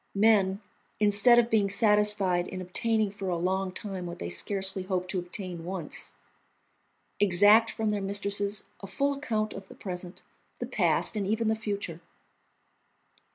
Men, instead of being satisfied in obtaining for a long time what they scarcely hoped to obtain once, exact from their mistresses a full account of the present, the past, and even the future.